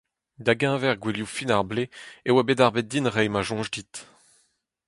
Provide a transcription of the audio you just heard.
Da-geñver gouelioù fin ar bloaz e oa bet darbet din reiñ ma soñj dit.